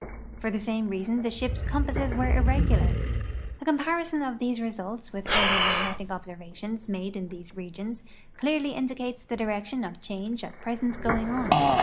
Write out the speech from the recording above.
For the same reason the ship's compasses were irregular. A comparison of these results with earlier magnetic observations made in these regions clearly indicates the direction of change at present going on.